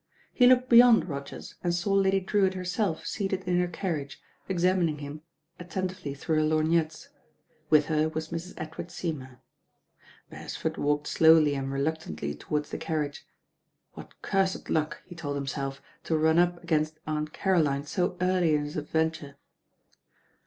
He looked beyond Rogers and saw Lady Drewitt herself seated in her carriage, examining him attentively through her lorgnettes. With her was Mrs. Edward Sey mour. ' Beresford walked slowly and reluctantly towards the carriage. What cursed luck, he told himself, to run up against Aunt Caroline so early in his ad venture.